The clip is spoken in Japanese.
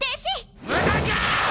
無駄じゃ！